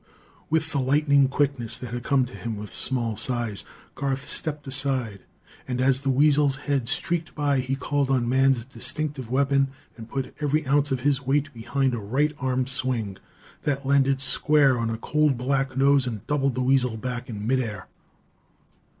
With the lightning quickness that had come to him with small size, Garth stepped aside. And as the weasel's head streaked by he called on man's distinctive weapon, and put every ounce of his weight behind a right arm swing that landed square on a cold black nose and doubled the weasel back in midair.